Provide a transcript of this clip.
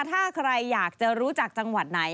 ถ้าใครอยากจะรู้จักจังหวัดไหน